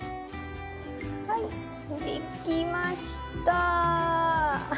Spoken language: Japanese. はいできました。